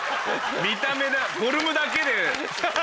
見た目でフォルムだけで。